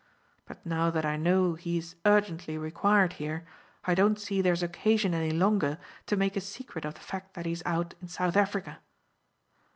But now that I know he is urgently required here, I don't see there's occasion any longer to make a secret of the fact that he is out in South Africa."